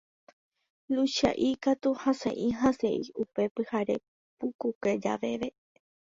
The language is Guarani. Luchia'i katu hasẽ'i hasẽ'i upe pyhare pukukue javeve.